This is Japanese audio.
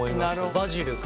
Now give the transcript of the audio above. バジル君。